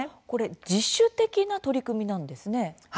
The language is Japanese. これ自主的な取り組みなんですね。